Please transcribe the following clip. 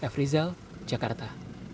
f rizal jakarta